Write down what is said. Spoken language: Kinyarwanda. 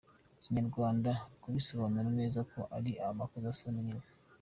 Ikinyarwanda kibisobanura neza ko ari urukozasoni nyine.